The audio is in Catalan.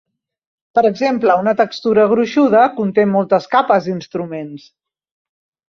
Per exemple, una textura gruixuda conté moltes "capes" d'instruments.